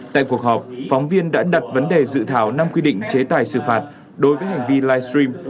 tại cuộc họp phóng viên đã đặt vấn đề dự thảo năm quy định chế tài xử phạt đối với hành vi livestream